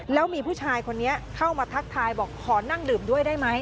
แล้วมีผู้ชายคนนี้เข้ามาทักทายบอกขอนั่งดื่มด้วยได้ไหม